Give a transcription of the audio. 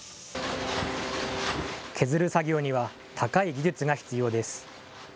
削る作業には高い技術が必要です。